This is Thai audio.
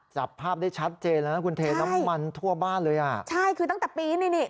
จับภาพได้ชัดเจนแล้วนะคุณเทน้ำมันทั่วบ้านเลยอ่ะใช่คือตั้งแต่ปีนี่นี่